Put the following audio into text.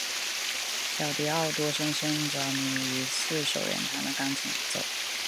小狄奥多深深着迷于四手联弹的钢琴演奏。